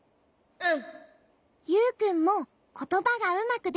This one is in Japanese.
うん。